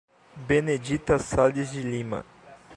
Benedita Sales de Lima